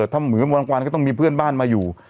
ถ้าเหมือนวันกลางวันก็ต้องมีเพื่อนบ้านมาอยู่